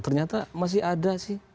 ternyata masih ada sih